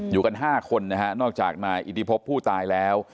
อยู่กัน๕คนนะฮะนอกจากนายอิทธิพบผู้ตายแล้ว